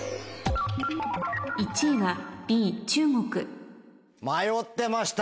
１位は迷ってました。